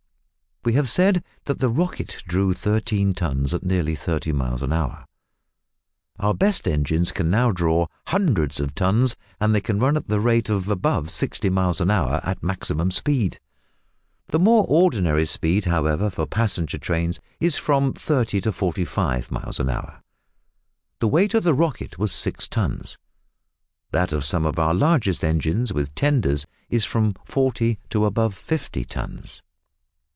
We have said that the "Rocket" drew thirteen tons at nearly thirty miles an hour. Our best engines can now draw hundreds of tons, and they can run at the rate of above sixty miles an hour at maximum speed. The more ordinary speed, however, for passenger trains is from thirty to forty five miles an hour. The weight of the "Rocket" was six tons. That of some of our largest engines with tenders is from forty to above fifty tons.